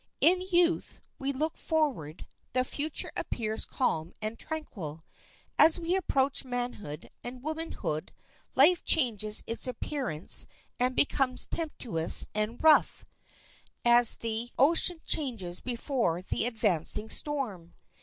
In youth we look forward; the future appears calm and tranquil; as we approach manhood and womanhood life changes its appearance and becomes tempestuous and rough, as the ocean changes before the advancing storm.